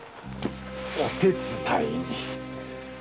お手伝いに。